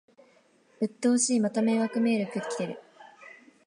うっとうしい、また迷惑メール来てる